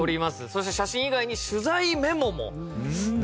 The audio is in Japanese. そして写真以外に取材メモも並んでますが。